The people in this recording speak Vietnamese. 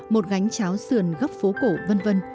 một gánh cháo sườn góc phố cổ v v